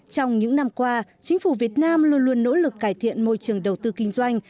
trong những năm qua chính phủ việt nam luôn luôn nỗ lực cải thiện môi trường đầu tư kinh doanh